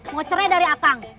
ngocehnya dari akang